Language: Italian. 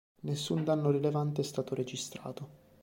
Nessun danno rilevante è stato registrato.